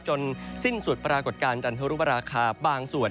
จนสิ้นสุดปรากฏการณจันทรุปราคาบางส่วน